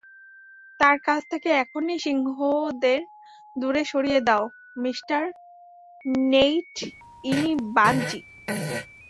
তার কাছ থেকে এখনই সিংহদের দূরে সরিয়ে দাও মিঃ নেইট, ইনি বানজি।